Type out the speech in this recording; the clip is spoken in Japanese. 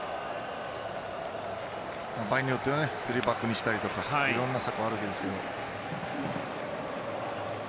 場合によっては３バックにしたりとかいろいろな策があるわけですよ。